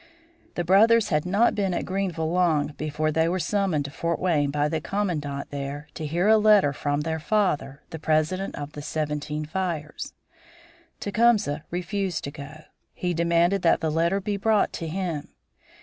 The brothers had not been at Greenville long before they were summoned to Fort Wayne by the commandant there to hear a letter from their "father," the President of the Seventeen Fires. Tecumseh refused to go. He demanded that the letter be brought to him.